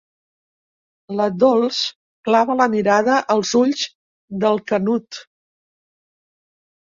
La Dols clava la mirada als ulls del Canut.